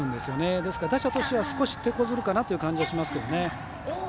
ですから、打者としては少してこずる感じはしますけどね。